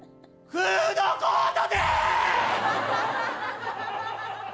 フードコート！